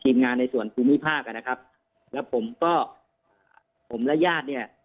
งานในส่วนภูมิภาคอ่ะนะครับแล้วผมก็ผมและญาติเนี่ย